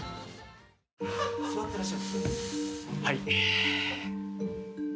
はい。